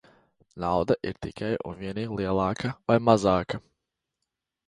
Nauda ir tikai un vienīgi lielāka vai mazāka.